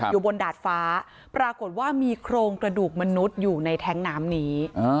อยู่บนดาดฟ้าปรากฏว่ามีโครงกระดูกมนุษย์อยู่ในแท้งน้ำนี้